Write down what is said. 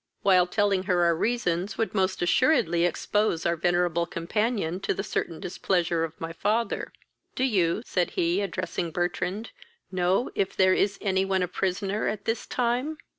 while, telling her our reasons would most assuredly expose our venerable companion to the certain displeasure of my father. Do you (said he, addressing Bertrand) know if there is any one a prisoner at this time?"